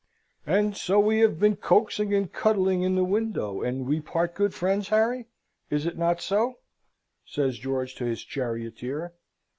"And so we have been coaxing and cuddling in the window, and we part good friends, Harry? Is it not so?" says George to his charioteer.